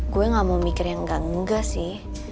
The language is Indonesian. gue gak mau mikir yang gak nggak sih